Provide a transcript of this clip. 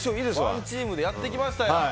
ワンチームでやってきましたやん！